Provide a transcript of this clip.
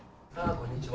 こんにちは。